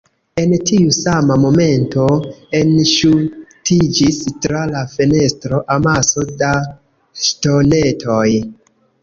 En tiu sama momento, enŝutiĝis tra la fenestro,, amaso da ŝtonetoj.